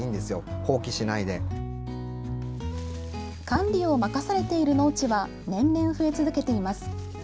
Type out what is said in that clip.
管理を任されている農地は年々、増え続けています。